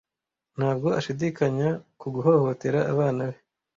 Ntabwo ashidikanya ku guhohotera abana be.